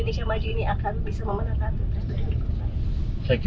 indonesia maju ini akan bisa memenangkan retur yang diperlukan